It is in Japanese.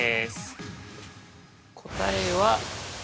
◆答えは。